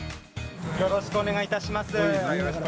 よろしくお願いします。